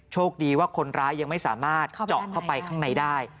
โชคดีว่าคนร้ายยังไม่สามารถเจาะเข้าไปข้างในได้